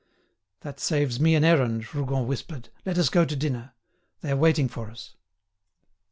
"That saves me an errand," Rougon whispered. "Let us go to dinner. They are waiting for us."